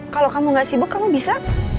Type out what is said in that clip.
kalau kamu gak sibuk kamu bisa